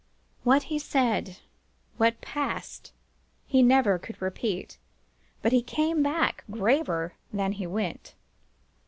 "What he said, what passed, he never could repeat; but he came back graver than he went.